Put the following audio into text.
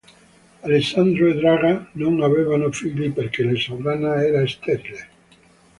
Alessandro e Draga non avevano figli perché la sovrana era sterile.